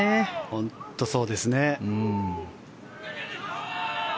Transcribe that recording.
本当にそうですね。